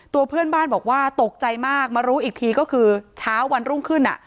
ตัวเพื่อนบ้านบอกว่าตกใจมากมารู้อีกทีก็คือเช้าวันรุ่งขึ้น